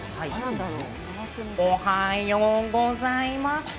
おはようございます。